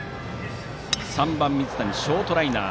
３番、水谷はショートライナー。